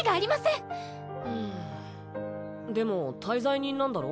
んんでも大罪人なんだろ？